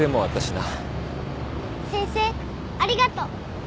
先生ありがとう。